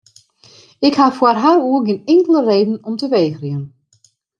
Ik ha foar har oer gjin inkelde reden om te wegerjen.